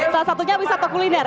salah satunya wisata kuliner